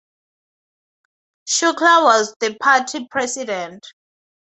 Shukla was the party president.